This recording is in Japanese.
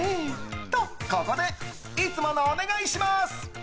と、ここでいつものお願いします。